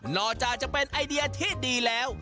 อกจากจะเป็นไอเดียที่ดีแล้ว